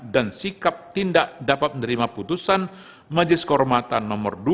dan sikap tindak dapat menerima putusan majelis kehormatan no dua